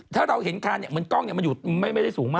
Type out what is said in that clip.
ถ้าเราเห็นคันเหมือนกล้องมันอยู่ไม่ได้สูงมาก